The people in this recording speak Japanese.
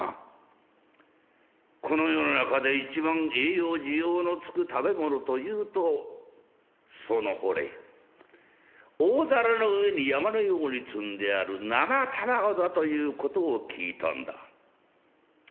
この世の中で一番栄養滋養のつく食べ物というとそのほれ大皿の上に山のように積んである生玉子だということを聞いたんだ。